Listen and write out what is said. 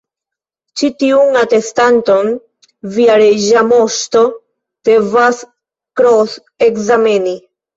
"Ĉi tiun atestanton via Reĝa Moŝto devas kros-ekzameni.